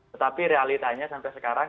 tetapi realitanya sampai sekarang